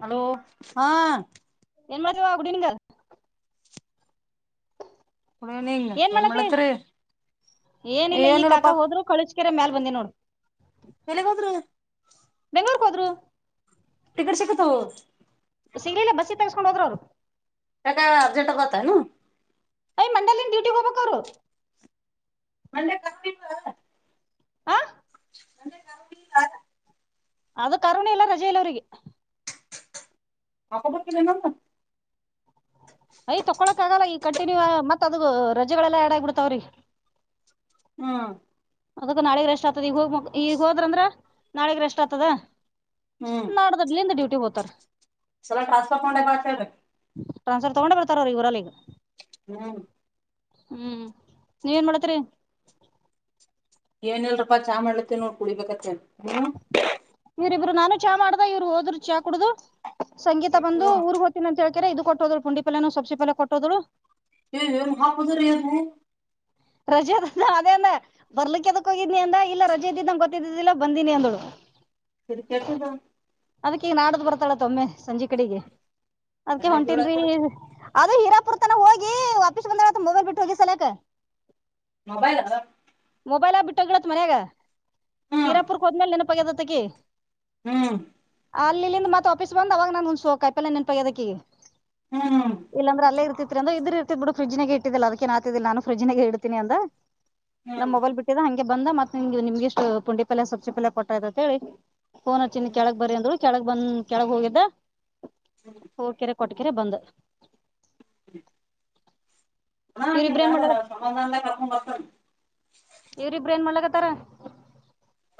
Hello ಹಾ ನ್ ಮಾಡತವಾ ಅಡಂಗ ಗುಡ್ ಈವ್ನಿಂಗ್ ಏನ್ ಮಾಡತಿ ಮಾಡತ್ರಿ ಏನಿಲ್ಲ ಈ ಏನಿಲ್ಲಪ್ಪಾ ಕಾಕಾ ಹೋದ್ರು ಕಳಸ್ಕರೆ ಮ್ಯಲ್ ಬಂದಿ ನೋಡು ಎನೆಗದರು ಹೇಳ್ಕೋದ್ರು ತ ಕ ಶಕತ ಹ ಸಿಂಗಳಿಲ್ಲ ಬಸ್ಸಿಗೆ ತಗಸ್ಕೊಂಡ ಹದ್ರ ಅವ್ರು ಕ ಹಜಾರಟ ಕತನು ಯ್ ಮಂಡಲಿನ ಡ್ಯೂಟಿ ಹೋಗ್ಬೇಕರು ಮಂದೆ ಕಪ ಹ ಅಂದೆ ಅದು ಕರುಣೆ ಇಲ್ಲ ರಜಲಿ ಅವ್ರರಿಗೆ ಅಪ್ಪ ಬಲ ನ ಕಂಟಿನ್ಯೂ ಮತ್ತ ಅದು ರಜೆಗಳೆಲ್ಲಾ ಎರಡಗಬಿಡ್ತಾವ್ರಿ ಹ್ಮ್ ಅದಕ ನಾಡಗ ರೆಸ್ಟ್ ಆಗ್ತದ ಈಗ ಹೋಗ ಈಗ ಹೋದ್ರಂದ್ರ ನಾಡಗ ರೆಸ್ಟ್ ಆತದ ಹ್ಮ್ ನಾಡ್ದಲ್ಲಿಿಂದ ಡ್ಯೂಟಿ ಹೋಗತಾರ ಸಲ ಟ್ರಾನ್ಸ್ಫರ್ ಮಾಡೆ ಬಾ ಅಂತ ಹೇಳ್ರಿ ಟ್ರಾನ್ಫರ್ ತಗೊಂಡ ಬರ್ತರ ಈ ಇವರಲ್ಲಿ ಈ ಹ್ಮ ಹ್ಮ್ ನೀವ ೇನ್ ಮಾಡತರಿ ಏನಲ್ ರೂಪಾ ಚಾ ಮಾಡ್ಲತ್ತ ನೋಡ್ ಕುಡಿಬೇಕತ್ತೇ ಹ್ಮ ಇವರಿಬ್ರು ನಾನು ಚಾ ಮಾಡ್ದ ಇವ್ರು ಹೋದ್ರು ಚಾ ಕುಡುದು ಸಂಗತ ಬಂದು ಊರ್ಗ್ ಹೋ್ತಿನಿ ಅಂತ ಕೆರೆ ಇದು ಕೊಟ್ಟೋದ್ರು ಪುಂಡಿಫಲ್ಲನು ಸಬ್ಸಿ ಪಲ್ಲ ಕೊಟ್ಟೋ್ರು ್ ಹಾಬದ ರ ಯ ರಜೆ ಅ ಅದೇ ಅಂದ ಬರ್ಲಿಕ್ಕೆದಕ್ ಹೋಗಿದನಿ ಅಂದ ಇಲ್ಲ ರಜೆ ಇದ್ದಿದ್ದಂಗ ಗೊತ್ತಿದ್ದಿದ್ದಿಲ್ಲ ಬಂದೀನಿ ಅಂದಳು ರಿಿಕತದಾ ಅದ್ ಈಗ ನಾಡ್ದ ಬರ್ತಾಳೆ ತೊಮ್ಮೆ ಸಂಜೆ ಕಡೆಗೆ ಅದ್ಕ ಅಡ್ಯಾಗ ಹೊಂಟನ್ ರೀ ಬೀಳತ್ತದ ಅದ ಹರಾಪ ಹೋಗಿ ವಾಪಸ್ ಬಂದ ಮೊಬೈಲ್ ಬಿಟ್ಟು ಹೋಗಿ ಸಲಕ ಮೊಬೈಲ್ ಅ ಮೊಬೈಲ ಆ ಬಿಟ್ಟೋಗಿಡತ್ ಮನ್ಯಾಗ ಹ್ಮ್ ಹೀರಾಪುರ್ ಹೋದ್ಮೇಲೆ ನೆನಪಗ್ಯದತ್ತಕ ಹ್ಮ್ ಅಲ್ಲಿ ಇಲ್ಲಿಂದ ಮತ್ತ ಆಫೀಸ್ ಬಂದ್ ಅವಾಗ ನಾನ ಒಂದಸ ಕಾಯಿಲ್ ನೆನ್ಪಾಗ ಅದಕ ಹ್ಮ್ ಹ್ಮ್ ಇಲ್ಲಾಂದ್ರೆ ಅಲ್ಲೇ ಇರ್ತಿತಿ ್ರ ಇದ್ರ ಇರ್ತಿ ಬಿ ್ರಿ್ಾಗ ಇಟ್ಟಿದ್ದ ಅದಕ್ಕಏ ಆತಾಿಲ್ಲ ನಾನ ಫ್ರಿ್ಾಗ ಹ ಇಡ್ೀನಿ ಅಂತ ನಮ್ ಹ್ಮ್ ಮೊಬೈಲ್ ಬಿಟ್ಟಿದಂ ಬಂದ ಮತ್ತೆ ನಿಗೆ ನಿಮ್ಗೆಷ್ಟು ಪುಂಡಿ ಪಲ್ಯ ಸಬ್ಸಿ ಪಲ್ಯ ಕೊಟ್ಟಾಯಯ್ತ ಅಂತ ಹೇಳಿ ಹೋನ ಚಿನ್ ಕೆಳಗ್ ಬರಿ ಅಂದರು ಕೆಳಗ್ ಬಂದ ಕೆಳಗ್ ಹೋಗಿದ್ದ ಕೆರೆ ಕೊಟ್ಟಕಿರ ಬಂದ ಹ್ಮ ಹ ಇವ್ರಿಬ್ರ ಏನ್ ಮಾಡ್ಲಕ ಸುಮ್ಮಂದಾನಲ್ಲ ಕರ್ಪ ಬಸನೆ ಇವ್ರಿ ಬ್ರೇನ್ ಮಾಡಲಕತಾರ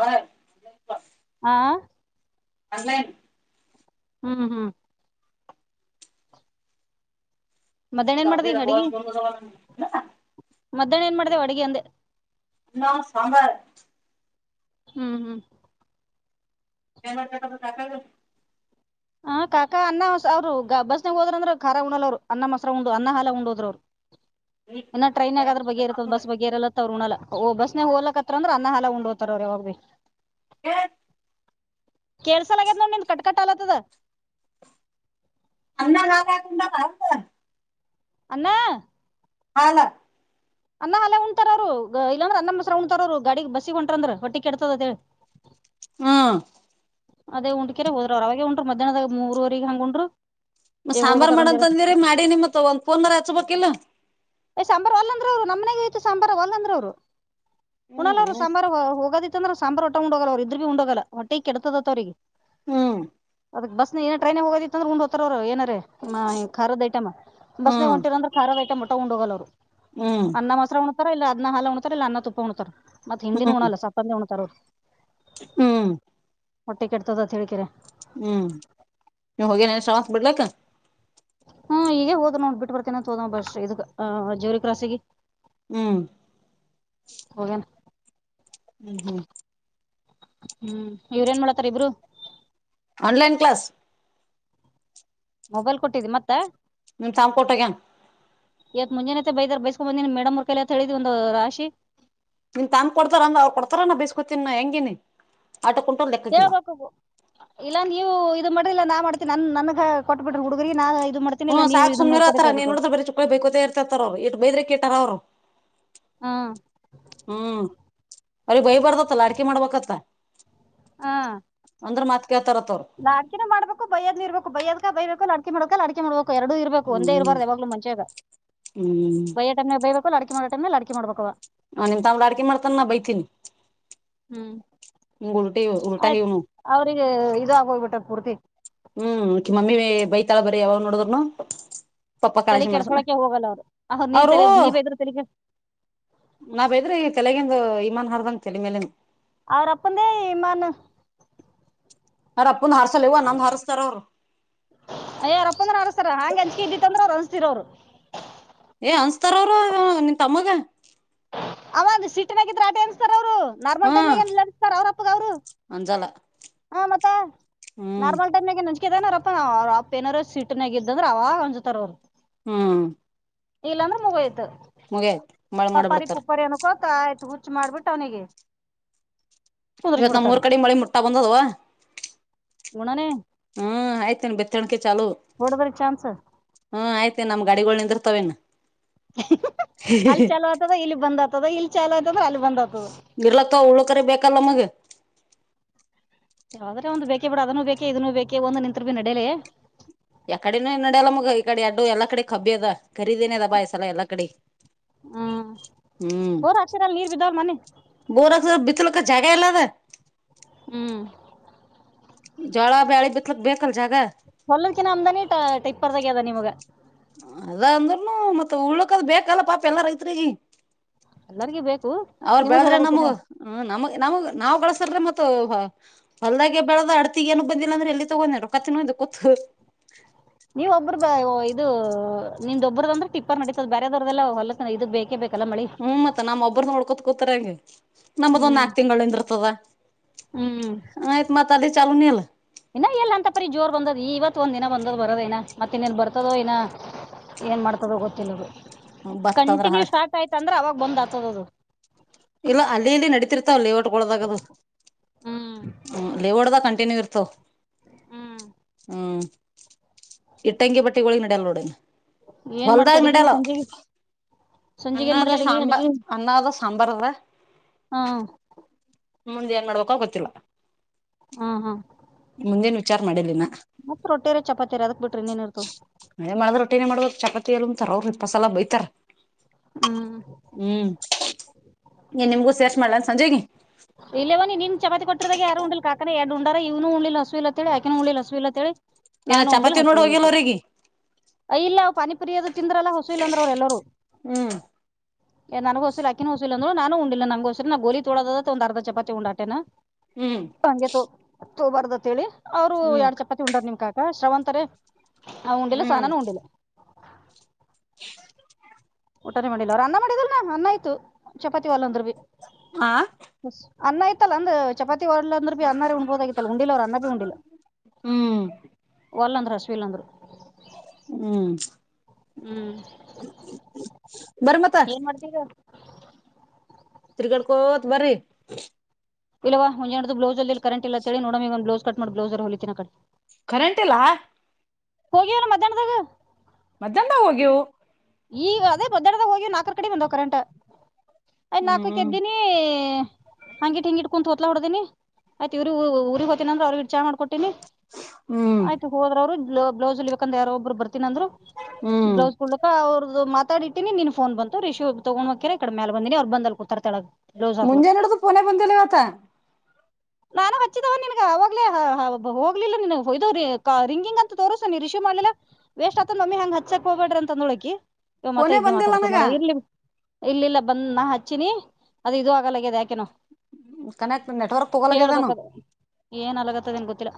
ಹ ಹಾ ಅನ್ಲೈನ್ ಹ್ಮ್ ಹ್ಮ್ ಮಧ್ಯಾಹ್ನ ಏನ್ ಮಾಡ್ದಿ ತಭ್ಯ ಬಹ ಅಡ್ಗಿ ಗಂದು ಮಧ್ಯಾಹ್ನ ಏನ್ ಮಾಡ್ದೇವ ಅಡಗೆ ಅಂದ ನಾ ಸಾಂಬಾರ ಹ್ಮ್ ಹ್ಮ್ ಏನ ಕ ತಾಕಾಗ ಹ ಕಾಕಾ ಅನ್ನ ಅವರು ಬಸ್ನಾಗ ಹೋದ್ರ ಅಂದ್ರ ಖ ಉಲ್ ಅವ್ರು ಅನ್ನ ಮಸರ ಉಂಡ್ ಅನ್ನ ಹಾಲಾ ಉಂಡ ಹೋದ್ರು ಅವರು ನೀ ಇನ್ನ ಟ್ರೈನ್ ಆಗಾದ್ರ ಬಗ್ಗೆ ಇರತದ ಬಸ್ ಬಗ್ಗೆ ಇರಲ್ಲತ್ತ ಅವ್ರು ಉಣಲ್ಲ ಓ ಬಸ್ನಾಗ ಹೋಗ್ಲಕತ್ರ ಅಂದ್ರ ಅನ್ನ ಹಾಲ ಉಂಡ್ ಹ್ತಾರ ಅವ್ರೆ ಹೋಗ್. ಯ ಕೆಸಲ ಆಗ್ಯದ ನೋ ನಿನ್ ಕಟ್ಕಟ್ಟ ಆಲತ್ತದ.. ಅಣ್ಣ ನಾಾವ ತುದ ಭಾವ ಸ.. ಅನ್ನ.. ಹಾಲ್ಲ. ಅನ್ನಾ ಹಲ್ಲೆ ಉಣ್ರ ಅವರು ಇಲ್ಲಂದ್ರೆ ಅನ್ನಮ್ಮ ಮಸರ ಉ್ತಾರ ಅವರು ಗಾಡಿ ಬಸಿಗೆ ಹೊಂಟ್ರಂದ್ರ ಹೊಟ್ಟಿ ಕೆಡತದತ್ ಹೇಳಿ.. ಹ್ಮ ಅದೇ ಉಂಡ್ಕೆರೆ ಹೋದ್ರ ಅವಾಗೆ ಉಂಡ್ರರು ಮಧ್ಯಾಹ್ನದ್ ಮೂರವಗ ಹಂಗ ಉಂಡ್ರರು. ಮ ಸಾಂಬಾರಾರ್ ಮಾಡಂತಂದಿರಿ ಮಾಡಿ ನಿಮ್ಮ ಮತ್ ಒಂದ್ ಪೂರ್ನಾರ ಹಾಚ್ಬೇಕಲ್. ಏ್ ಸಾಂಬಾರಾರ್ ಒಲ್ಂದ್ರ ಅವ್ರು ನಮ್ಮನೆಗ ಇಯತ್ತು ಸಾಂಬಾರ ಒಲ್ಲ ಅಂದ್ರೆ ಅವ್ರು ಕುುಣಲ್ಲ ಅವ್ ಹ್ಮ್ ಸಾಂಬಾರ್ ಹೋಗೋದಿತ್ತಂದ್ರೆ ಸಾಂಬಾರಾರ್ ಹೊಟ್ಟೆ ಉೋಗಲ್ಲ ಅವರು ಇದ್ರ ಭ ಬಿ ಉುೋಗಲ್ಲ ಹೊಟ್ಟೆ ಕೆಡತದತ್ತತ್ ಅವ್ರಿಗೆ ಹ್ಮ್ ಅದ ಬಸ್ ಟ್ರೈನ್ ಹೋಗೈ ಅಂದ್ರ ಗೊಂಡ್ ಹೊತ್ತಾರ ಏನಾರೆ.. ಹಾ ಖಾರದ ಐಟಮ ಬಸ್ನೆಗ ಹ್ಮ್ ಹೊಂಟಿರ ಅ್ರ ಖಾರದ ಐಟಮ್ ಒಟ ಉಡ್ ಹೋಗಲ್ಲ ಅವರು.. ಹ್ಮ್ ಅನ್ನ ಮೊಸರ ಉಣ್ತಾರ ಇಲ್ಲ ಅದನ್ನ ಹಾಲು ಉಣ್ತಾರ ಇಲ್ಲ ಅನ್ನ ತುಪ್ಪ ಉಣ್ತಾರ.. ಮತ್ ಹ್ಮ್ ಹಿಂದಿನೋಣಲ್ಲ ಸತ್ತಂದ ಹಣತಾರೋರು.. ಹ್ಮ್. ಹೊಟ್ಟೆ ಕೆಟ್ಟತದತ್ ಹೇಕಿರ. ಹ್ಮ್ ನೀವ್ ಹೋಗೇನೆ ಶತ್ ಬಿಡ್ಲಕ್ಕ ಹ್ಮ್ ಈಗ ಹೋದ್ ನೋಡ್ ಬಿಟ್ಟ ಬರ್ತೇನಂತ ಹೋದ ಬಸ್್ರ ಇದ ಜೇರಿ ಕ್ರಾಸಿಗೆ.. ಹ್ಮ್. ಹೋಗಣ. ಹ್ಮ್ ಹ್ಮ್. ಹ್ಮ್ ಇವ್ರೇನ್ ಮಾಡತಾರ ಇಬ್ರು. ಆನ್ಲೈನ್ ಕ್ಲಾಸ್.. ಮೊಬೈಲ್ ಕೊಟ್ಟಿದಿ ಮತ್ತ. ನಿ ತಾಮ್ಕೋಟಾಗ. ಇವತ್ ಮುಂಜಾನತೆ ಬೈದ ಬೈಸ್ಕೊ ಬಂದಿನಿ ಮೇಡಮ್ರ್ಕತ್ ಹೇಳಿದ್ ಒಂದು ರಾಶಿ. ನೀನ್ ತಂಬ್ ಕೊಡ್ತಾರ ಅಂಗ ಅವ ಕೊಡ್ತಾರ ನ ಬೇಸಕೊತೀನ್ ಹೆಂಗೇನಿ.. ಆಟೋ ಕುಂಟೋರ್ ಲೆಕ್ಕಕ್ಕಿಲ್ಲ ಹೇಳ್ಬೇಕುು ಇಲ್ಲಾ ನೀವು ಇದು ಮಾಡ್ರಿಲ್ಲ ನಾ ಮಾಡ್ತೀನಿ ನನ್ ನನ್ಗ.. ಕೊಟ್ಟ ಬಿಡ್ರಿ ಹುಡುಗರಿಗೆ ನಾ ಇದು ಮಾಡ್ತೀನಿ ಇಲ್ಲ ಹ್ಮ್ ನೀವು ಸಾಕಕ್ ಇದನ್ನ ನೋಡ್ಕೊತ ಸುಮ್ನರತ್ತತಾರ ನೀನ್ ಇರ್ಬೇಕು ನೋಡ್ರ ಬರೀ ಚುಕ್ಕಳಿ ಬೈಕೋತ ಇರ್ತಾರ ಅವ ಇಟ್ ಬೈ್ರ ಇಟ್ಟ.. ಅವರು ಹಾ ಹ್ಮ್.. ಅ್ರ ಬೈ ಬರ್ದತ್ತಲ್ಲ ಅಡಿಕೆ ಮಾಡ್ಬೇಕತ್ತ.. ಹಾ. ಅಂದ್ರ ಮಾತ್ ಕೇಳ್ತಾರತ್ ಅವ್ರು ನಾಕೆ ಮಾಡಬೇಕು ಬೈಯದ್ ಇರ್ಬೇಕು ಬೈಯದ್ ಬಯಬೇಕು ಲಾಕೆ ಮಾಡಕ ಲಾಿಕೆ ಮಾಡ್ಬೇಕು.. ಎರಡೂ ಇರಬೇಕು ಒಂದೇ ಹ್ಮ್ ಇರಬಾರು ಯಾವಾಗ್ ಮಚೆಾಗ ಹ್ಮ್ ಬೈ ಟೈಮ್ ಬೈಬೇಕು ಅಡಿಕೆ ಮಾಡ.. ತೆ ಅಡಿಕ ಮಾಡಬೇಕುವಾ. ಹ ನಿಮ ತಾವ್ಳ ಅಡ್ಕೆ ಮಾಡ್ತಾನ ನ ಬೈತೀನಿ.. ಹ್ಮ್ ಹಿಂಗ್ ಉಲ್ಟಿ ಉಲ್ಟಾ ಆಯ್ತ್ ಇವ್ನು ಅವ್ರಿಗೆ ಇದಾಗೋಗ್ಬಿಟ್ಟ ಪೂರ್ತಿ.. ಹ್ಮ್ ಕಿಮ್ಮಮ್ಮಿ ಬೈತಾಳ ಬರ ಯಾವಾಗ ನೋಡುದ್ನು.. ತಲೆ ಕೆಡ್ಸ್ಕೊಳಕೆ ಹೋಗಲ್ಲ ಅವ್ರು ನೀ ತಲೆ ನೀ ಬೇ ಇದ್ರ ತಲೆ.. ನಾವೇದ್ರೆ ಈ ತಲೆಗಿಂದು ಇಮಾನ್ ಹಾರ್ದಂಗ ತಲೆ ಮೇಲೆನ್.. ಅವ್ರ ಅಪ್ಪಂದೆಮನ್.. ಅರ ಅಪ್ಪನ ಹಾರಸಲ್ಲ ಇವ ಅನ್ನಂದ್ ಹಾರಸ್ತಾರ ಅವರು.. ಅಯ್ಯಾರಪ್ಪ ಅಂದ್ರ ಅನಸ್ತಾರ ಹಾಂಗೆ ಅಂಚ್ಕೆ ಇದ್ದಿತ್ತ ಅಂದ್ರ ಅವ್ ಅನ್ಸ್ತಿೀರ ಅವ್ರು.. ಏ ಅನ್ಸ್ತಾರ ಅವರು ನಿನ್ ತಮ್ಮಗ.. ಅ ಸಿಟ್ನಾಗಿದ್ರೆ ಆ ಟೆ ಅನ್ಸ್ತಾರ ಅವ್ರು ಹಾ ನಾರ್ಮಲ್ ಟೈಮ್ ಅಸ್ತಾರ ಅವ್ರಪ್ಪಗ ಅವರು.. ಅಂಜಲ್ಲ ಹಾ ಮತ್ತ ಹ್ಮ್ ನಾರ್ಮಲ್ ಟೈಮ್.. ನಾರಪ್ಪ ಅವ ಅಪ್ಪ ಏನಾರ ಸೀಟ್ನಾಗ ಇದ್ದಂದ್ರ ಅವಾಗ ಅಂಜತಾರ ಅವ್ರು ಹ್ಮ್ ಇಲ್ಲಾಂದ್ರೆ ಮುಗಯ್ತು ಮುಗಿಯತ್ ಮಳೆ ಮಾಡಿ ಪಪಾರಿ ಬಿಡ್ತಾರ ಪುಪ್ಪಾರಿ ಅನ್ಕ ಆಯ್ತು ಹುಚ್ಚು ಮಾಡ್ಬಿಟ್ಟ ಅವನಿಗೆ ಕುಂದ್ರಿಸಿ ಇವತ್ ನಮ್ಮ್ ಬಿಡ್ತಾರ ಮೂರ್ ಕಡೆ ಮಳಿ ಮುಟ್ಟ ಬಂದದುವ ನನೆ ಹ್ಮ್ ಆಯ್ತೇನೆ ಬೆತ್ತಣಕೆ ಚಾಲು ಹೊಡದ್ರ ಚಾನ್ಸ್ ಹ್ಮ್ ಆಯ್ತೇನ್ ನಮ ಗಾಡಿಗಳ ನಿಿಂದ್ರ ಮುತವೆನ್ ಅಲ್ಲಿ ಚಲೋ ಆಯತದ ಇಲ್ಲಿ ಬಂದ್ ಆತದ ಇಲ್ ಚಲೋ ಆಯತದ್ರೆ ಅಲ್ಲಿ ಬಂದ್ ಆತದ ಹಳಕರಿ ಬೇಕಲ್ಲ ಮಗೆ ಯಾವದ್ರೆ ಒಂದು ಬೇಕೇ ಬಿಡ ಅದನೂ ಬೇಕೇ ಇದನ್ನು ಬೇಕೇ ಒಂದ್ ನಿತ್ರು ಭೀ ನಡಲೇ ಯಕ ಕಡೆನು ನಡಲ್ಲ ಮಗ ಈ ಕಡೆ ಅಡ್ಡು ಎಲ್ಲ ಕಡೆ ಕಬ್ಬಿ ಅದ ಖರೀದೇನೆ ಅದ ಬಾಯ್ಲ ಎಲ್ಲಾ ಕಡೆ.. ಹ್ಮ್ ಹ್ಮ್ ಬೋರ್ ಹಾಕ್ಸಿರ ಅಲ್ಲಿ ನೀರ್ ಬಿದ್ದಾವ್ ಮನೆ ಬೋರಕ್ ಬಿತಲ.. ಜಾಗ ಎಲ್ಲದ.. ಹ್ಮ್ ಜೋಳ ಬ್ಯಾಳಿ ಬಿತ್ಲಕ್ ಬೇಕಲ್ ಜಾಗ ಹಲ್ಲಕಿನ ಅಮ್ದಾನಿ ಟಿಪ್ಪರ್ದಾಗ್ಯದ ನಿಮಗ ಅದ ಅಂದ್ರನು ಮತ್ತ್ ಉಳಕದ್ ಬೇಕಲ್ಲ ಪಾಪ ಎಲ್ಲಾರ ಐತ್ರಿಗ ಎಲ್ಲರಿಗೂ ಬೇಕು ಅವರು ನಿಮಗ್ ಬೆಳದ್ರೆ ನಮಗ ಹೇಳಕತ್ತೀನಿ ನಮಗ್ ನಮಗ್ ನಾವ್ ಕಸ ಲ್ ಮತ್ತ ಹೊಲ್ದಾಗೆ ಬೆಳದ ಅಡ್ತಿ ಏನ ಬಂದಿಲ್ಲ ಅಂದ್ರೆ ಎಲ್ಲಿ ತಗೊಂಡೆ ರೊ ಕತ್ತ ನ ಒಂದು ಕೂತ್ತುು ಸ ನೀವ್ ಒಬ್ಬ್ರ ಬ ಇದು ನಿಂದೊಬ್ಬ್ರದ ಅಂದ್ರೆ ಟಿಪ್ಪರ್ ನಡೀತದ ಬೇರೆದವದ್ದಲ್ಲ ಹೊಲ ಇದು ಬೇಕೇ ಬೇಕ ಹ್ಮ್ ಮತ್ತತ್ ನಮ್ಮ್ ಒಬ್ಬ್ರ ನೋಡ್ಕೊತ್ ಕತರ ಹೆಂಗಗೆ ನಮ್ಮದ ಒಂದ್ ಹ್ಮ್ ನಾಕ್ ತಿಂಗಳಿಂದ ಇರ್ತದ ಹ್ಮ್ ಆಯ್ತ್ ಮತ್ ಅದೇ ಚಲೂ ನೀಲ್ ಇನ್ನ ಎಲ್ಲ ಅಂತ ಪರಿ ಜೋರ್ ಬಂದದ್ ಈ ಇವತ್ ಒಂದ್ಿನ ಬಂದದ್ ಬರದ ನ ಮತ್ತ ಇನ್ನಲ್ ಬರ್ತದೋ ಇನ ಏನ್ ಮಾಡ್ತದ ಗೊತ್ತಿಿಲ್ಲ ಬತ್ತ ಅಂದ್ರ ಹಾಳ ಕಂಟಿನ್ಯೂ ಸ್ಟಾರ್ಟ ಆಯ್ತ ಅಂದ್ರೆ ಅವಾಗ ಬಂದ್ ಆತದದು ಇಲ್ಲ ಅಲ್ಲಿ ಇಲ್ಲಿ ನಡೀತಿರ್ತ ಲೇಔಟ್ಗೊಳದಾಗದು ಹ್ಮ್ ಹ್ಮ ಲೇವ ಹೊಡ್ದ ಕಂಟಿನ್ಯೂ ಇರ್ತವ ಹ್ಮ್ ಹ್ಮ್ ಇಟ್ಟಂಂಗಿ ಬಟ್ಟಿಗಳಳಿ ನಡ್ಯಲ್ ನೋಡೇನ್ ಏನ್ ಮಾಡ್ತ ಅಡಗೆ ಈ ಸಂಜೆ ಅನ್ನದ ಸಾಂಬ ಅನ್ನದ ಸಾಂಬಾರದ ಹಾ ಮುಂದೆ ಏನ್ ಮಾಡ್ಬೇಕ ಗೊತ್ತಿಲ್ಲ ಹ್ಮ್ ಹ್ಮ್ ಮುಂದೇನ್ ವಿಚಾರ ಮಾಡಲಿಲ್ಲ ಮತ್ತ ರೊಟ್ಟಿಯರ ಚಪಾತಿರಿ ಅದಕ್ ಬಿಟ್ರಿ ಇನ್ನೇನ್ಿರ್ತ ಂತಾರ ಅವ್ರ ಇಪ್ಪಸಲ ಬೈತಾರ ಹ್ಮ್ ನೀ ನಿಮ್ಗೂಸ ಅಷ್ಟ ಮಾಡ್ ಸಂಜೆೆಗೆ ಇಲ್ಲವನಿ ನೀನ್ ಚಪಾತಿ ಕೊಟ್ಟಿದಾಗ ಯಾರ ಉಿಲ್ ಕಕನ ಎಡ್ ಉಂಡಾರ ಇವನು ಉಣಲಿ ಹಸು ಇತ್ತೇಳಿ ಯಕನು ಉಳ್ಳಲಿ ಹಸು ಇತ್ತ ಹೇಳಿ ಏನ ನಾನು ಉಂಡಲ್ ಚಪಾತಿ ನೋಡ್ ಹಕಲ್ಲ್ದ ಹೋಗಿಲ್ಲ ಅವ್ರಿಗೆ ಇಲ್ಲ ಪಿ ತಿಂದ್ರಲ್ಲಾ ಹೊಸೂಲ್ ಅಂದ್ರ ಅವ್ರ ಎಲ್ಲರುೂ ಹ್ಮ್ ನನ್ಗೋಸಿಲ್ಲ ಆಕಿನ ಹೋಸಿಲ್ಲಂದ್ ನು ಉಿಲ್ಲ ನಂಗಗೆೋಸೆ ನಾ ಗೋಲಿ ತೋದ ಒಂದು ಅರ್ ಚಪಾೆ ಉಂಡಾಟೇನೆ ಹ್ಮ್ ಬರ್ದತ್ೇಳಿ ಅವ್ರು ಹ್ಮ್ ಎರಡ್ ಚಪಾತಿ ಉಂಡರ್ ನಿನ್ ಕಾಕ ಶ್ರವಂತರ ಆ ಉಂಡಿಲ್ಲ ಹ್ಮ್ ಸನನ ಉಂಡಿಲ್ಲ [unintelligible] ಊಟನೆ ಮಾಡಿಲ್ಲ ಅವರು ಅನ್ನ ಮಾಡಿದ್ರನಾ ಅನ್ನ ಆಯ್ತು ಚಪಾತಿ ವಲ್ ಅಂದ್ರರು ಭ ಆ ಬ ಅನ್ನ ಇಐತ್ತಲ್ಲ ಅಂದ್ ಚಪಾತಿ ವಡ್ಲ ಅಂದ್ರ ಭ ಅನ್ನರೇ ಉಂಡ್ಬೋದಾಗಿತ್ತಲ್ಲ ಉಂಡಿಲ್ಲ ಅವರು ಅನ್ನ ಬಿೀ ಉಂಡಿಲ್ಲ ಹ್ಮ್ ಹೊಲ್ಲಂದ್ರ ಅಶ್ವಿಲ್ ಅಂದ್ರು ಹ್ಮ್ ಹ್ಮ ಏನ್ ಮಾಡ್ತೀರ ತಿತ್ರಿಗಡ್ಕೋತ್ ಬ್ರೀ ಇಲ್ಲ ಒಂದಂಡ್ದು ಬ್ಲೌ ಅಲ್ಲಿ ಕರೆಂಟ್ ಇಲ್ಲೇಳ ನೋಡಮೆ ಒಂದು ಬ್ಲಸ್ ಕಟ್ಿ ಬ್ಲೌಸರ ಹೊಲಿತಿನ ಕಡೆ ಕರೆಂಟ್ ಇಲ್ಲ ಹೋಗಿ ಮಧ್ಯಾಹ್ನದಾಗ ಮಧ್ಯಾಹ್ನದಾಗಾ ಹೋಗ್ಯವು ಈಗ ಅದೇ ಭದ್ರದಾಗ ನಾಕ ಕಡೆ ಕರೆಂಟ್ ಅಐ್ ನಾಕೈ ಹ್ಮ್ ಎದ್ದಿನ ಹಂಗಿಟ್ ಹಿಂಗಿಟ್ಟ ಕುಂತ ಆಯ್ತ್ ಇವರುಊರಿಗೆ ಹೋತಿನನಂದ್ರ ಅವ್ರಿಗೆ ಚ ಮಾಡ್ಕಟ್ಟು ಹ್ಮ್ ಆಯ್ತು ಹೋದ್ರ ಅವರು ಬ್ಲೌಸ್ ಹೋಲಿಬೇಕು ಯಾರ ಒಬ್ರು ಬರ್ತಾರೆ ಂದ್ರರು ಹ್ಮ್ ಬ್ಲೌಸ್ ಕುಡ್ಲಕ ಅವ್ರದ್ದ ಮತ್ ಇಟ್ಟಿನಿ ನೀನ್ ಫನ್ ಬಂತು ರಿಶ್ ತಗೊಂಡ್ ಮಕ ಕಡೆ ಮೇ ಬಿನನಿ್ರು ಬಂದಲ್ ಕುೂತಾರ್ ಕೆಳಗ್ ಮುಂಜೆ ನೋಡುದು ಪೋನ ಬಂದಿಲ್ಲ ಆತ ನಾನ ಹಚ್ಚಿದವ ನಿನ್ಗ ಅವಾಗ್ಲೆ ಹೋಗ್ಲಿಲ್ಲ ನಿನ್ಯ್ದ ರಿಂಗಿಂಗ್ ಅಂತ ತೋರ್ಸ ನೀ ರಿಶ್ಯ್ ಮಾಡಿಲ್ಲಾ ವೇಸ್ಟ್ ಆತದ ನ ಮಮ್ಮಿ ಹಂಗ ಹಚ್ಚಕ್ ಹೋಗಬಡ್ರ ಅಂತಡಲು ಆಕಿ ಇವ ಮತ್ತ ಫೋನೇ ಇದ್ದೆ ಬಂದಿಲ್ಲ ಮಾತಾಡ್ತ ನನಗ ನೋಡ ಇರ್ಲಿ ಇಲ್ಲಿ ಇಲ್ಲ ಬಂದ ನಾ ಹಚ್ಚಿನಿ ಅದು ಇ ಆಾಗಲ್ಲಗ್ಯದ ಯಾಕೆನು ಕನೆಕ್ಟ್ ನೆಟ್ವರ್ಕ್ ತಗೋಲಾಗ್ಯದಾನು ಕೇಳ್ಬೇಕದು ಏನ್ ಅಲಗತ್ತದನ್ ಗೊತ್ತಿಲ್ಲ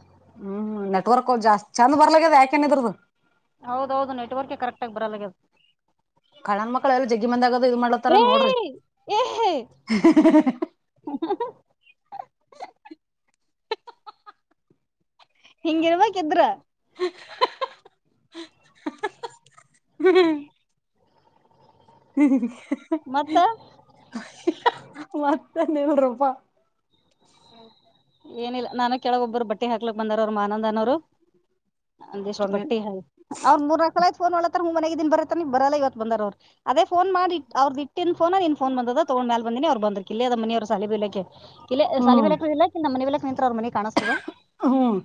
ಹ್ಮ್ ನೆಟ್ವರ್ಕ್ ಜಸ್ತ್ ಚಂದ ಬರ್ಲದ ಯಾಕೇನ ಇದ್ರದು ಹೌದೌದು ನೆಟ್ವರ್ಕ ಕರೆಕ್ಟ ಆಾಗಿಿ ಬರಲ್ಲ ಕಲಣ್ ಮಕ್ಕಳು ಎಲ್ಲ ಜಗ್ಗಿ ಮಂದಿ ಆಗದು ಇದ್ ಮಾಡತಾರ ಏ ನೋಡ್ರಿ ಏ [inaudible] ಹಿಂಗಿರ್ಬೇಕಕ್ ಇದ್ರ [inaudible] [inaudible] [inaudible] ಮತ್ತೆ [inaudible] ಏನಿಲ್ಲ ನಾನ ಕೆಳಗ ಒಬ್ಬರು ಬಟ್ಟೆ ಹಾಕ್ಲಿಕ್ ಬಂದಾರ ಅವರು ಮಾ ಆನಂದನವರು ಒಂದಿಷ್ಟು ಕಮ್ಮಿನ್ ಬಟ್ಟೆ ಹಿ ಅವ [unintelligible] ಮನೆಗ್ ದನ್ ಬರತ್ತತ ನೀ ಬರಲ್ಲ ಇವತ್ತು ಬಂದಾರ ಅವರು ಅದೇ ಫೋನ ಅವ್ರ್ದ ಇಟ್ಟಿ ೋ ನೀನ್ ಫೋ ಬಂದದ ತಗೊಂಡ್ ಮೇಲೆ ಬಂದಿನಿ ಅವ್ ಬಂದ್ರಕ್ ಇಲ್ಲಿ ಅದ ಮಿ ಅವ್ರ ಸಾಲಿ ಬಿ ಇಲಿಕ್ಕೆ ಇಲ್ಲ ಹ್ಮ್ ಸಾಲಿಮಲ್ಕ ಇಲ್ಲ [unintelligible] ಮನಲಕ್ ನಿಂತ್ರ ಅವ್ರ ಮನ ಕಾಣಿಸಸ್ತದ ಹ್ಮ್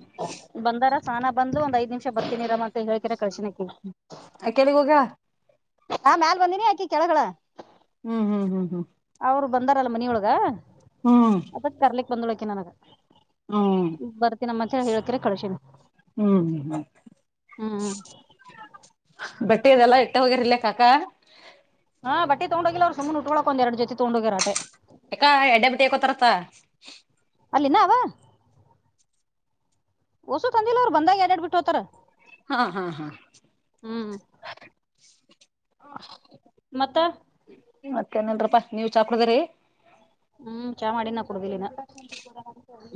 ಬಂದಾರ ಸಾನಾ ಬಂದ್ ಒಂದ್ ಐದ್ಮಿಷ ಬರ್ತಿನಿರಾಮ ಹೇಳ್ಕರ ಕಳ್ಶಿನಕಿ ಅಕೇಳಿಗ್ ಹೋಗ್ಯಾಳ ಆ ಮ್ಯಾಲ ಬಂದಿನಿ ಅಕಿ ಕೆಳಗಲ ಹ್ಮ್ ಹ್ಮ್ ಹ್ಮ್ ಹ್ಮ್ ಅವ್ರು ಬಂದಾರಲ್ಲ ಮನಿಯೊಳಗ ಹ್ಮ್ ಬಂಡೋಲ್ಕಾಕಿ ನನಗ ಹ್ಮ್ ಬರ್ತೀನಮ್ಮ ಅಂತ ಹೇಳಿ ಹೇಳ್ಕರೆ ಕಳ್ಸೀನಿ ಹ್ಮ್ ಹ್ಮ ಹ್ಮ್ ಹ್ಮ ಬಟ್ಟೆದೆಲ್ಲ ಇಟ್ಟ ಹೋಗಿರ್ಲ್ಲ ಕಾಕಾ ಹಾ ಬಟ್ಟ ತಗೊಂಡೋಗಿಲ್ಲ್ ಸುನೆ ಉಕಳಕ ಒಂದ ಎರಡ ಜೊತೆ ತಗೊಂಡೋಗಿರ ಅಟೆ ಯಕ ಎಡ್ಡೆ ಬಿಟ್ಟಿ ಹಕೋತಾರತ್ತ ಅಲ್ಲಿ ಇನ್ನ ಅವ ಹೊಸು ತಂದಿಲ್ಲ ಅವ್ ಬಂದಾಗ ಎರಡ್ ಬಿಟ್ಟು ಹತಾರ ಹಾ ಹಾ ಹಾ ಮತ್ತ ಮತ್ತೇಏನಲ್ರಪ್ಪಾ ನೀವ ಚಾ ಕುಡದರಿೀ ಹ್ಮ್ ಚಾ ಮಾಡ ನಾ ಕುಡುದಿಲ್ಲಿನ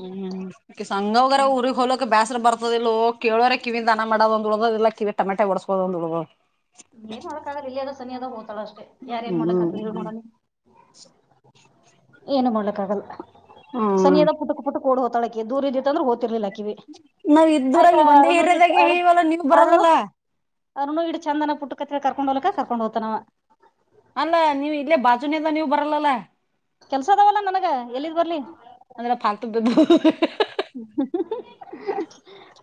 ಹ್ಮ್ ಹ್ಮ್ ಸಂಘವರ ಹುರಿಗೆಗ್ ಹ ಹೊಲೋಕ ಬೇಸ್ರ ಬರ್ತ ಇ ಕೇಳೋರೆ ಕಿವಿ ದಾನ ಮಾಡೋದ ಒಂದ ಉಳ್ದದ ಇಿಲ್ಲ ಕಿವಿಟಮಟ ಒಡಸ್ೋದ ಒಂದು ಉಳ್ ಏನ್ ಮಾಡೋಕ್ಕ್ರ ಇಲ್ಲಿ ಅದ ಸನಿ ಅದ ಹೋಗ್ಾಳ ಅಷ್ಟೆ ಯಾರ ಏನ್ ಹ್ಮ್ ಮಾಡಕ್ತಳ್ ಮಾಡೋಡಣ ಏನು ಮಾಡ್ಲಕ್ಕ ಆಗಲ್ಲ ಸನಿ ಹ್ಮ್ ಅದ ಪುಟಕ ಪುಟ ಕೊಡ್ ಹೊತಳಾೆ ದೂ ಇದ್ದತ್ತ ಅ್ರೆಓದತಿರ್ಲಿಲ್ಲ ನಾವ್ ಆಯ್ತಾ ಇದ್ದೂರಾಗಿ ಒಂದೇ ಅರುಣು ಇತ್ತು ಏರಿಯಾದಾಗೆ ಅ ಇವಲ್ಲ ನೀವ್ ಅರುಣು ಬರಲ್ಲಲ್ಲ ಅವ್ರನು ಇ ಚಂದ ಪುಟ್ಟ ಕತ್ತಿ ಕರ್ಕೊಂಡ್ ಹ್ಕ ಕಕೊಂಡ್ ಹೋಗತವ ಅಲ್ಲ ನೀವು ಇಲ್ಲೇ ಬಾಜುನೆ ಎಲ್ಲ ನೀವು ಬರಲ್ಲಲ್ಲ ಕೆಲ್ಸದಾವಲ್ಲ ನನಗ ಎಲ್ಲಿಿದ್ ಬರ್ಲಿ ಅಂದ್ರೆ ಫಾಲ್ತು ಬಿದ್ದು ಹ್ಮ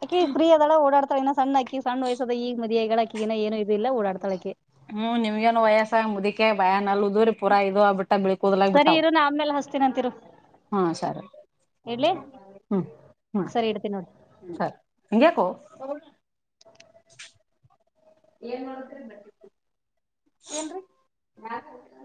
ಅಕೆ ಫ್ರೀ ಅದಳ ಓಡಾಡ್ತ ಸಣ್ಣಾಿ ಸಣ್ಣ ವಯಸದ ಈ ಮದಿಐಗಳ ಹಕ್ಕಿಿನ ಏನು ಇದ ಇಿಲ್ಲ ಓಡಾಡ್ತಳಕಕ್ಕೆ ಹ್ಮ್ ನಿಮ್ಗೇನು ವಯಸ್ಸ ಮುದಿಕೆ ಭಯಾನಲ್ಲದ್ರೀ ಪೂರ ಇದದು ಆಗ್ಬಿಟ್ಟ ಬಿಳಿಕೋದಲಾಗಿ ಸರಿ ಬಿಟ್ಟವು ಇರು ನಾ ಆಮೇಲೆ ಹಚ್ತೀನಂತಿರು ಹಾ ಸಾರಿ ಇಡ್ಲಿ ಹ್ಮ್ ಹ್ಮ್ ಸರಿ ಇಡ್ತೀನಿ ನೋಡ್ ಸರಿ ಹಂಗ್ಯಾೇಕು [unintelligible]